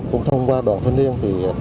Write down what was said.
cũng thông qua đoàn thanh niên